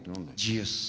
ＧＳ。